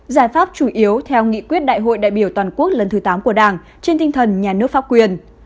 giải pháp chủ yếu theo nghị quyết đại hội đại biểu toàn quốc lần thứ tám của đảng trên tinh thần nhà nước pháp quyền